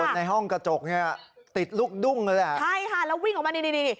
ในห้องกระจกเนี่ยติดลูกดุ้งเลยแหละใช่ค่ะแล้ววิ่งออกมานี่นี่นี่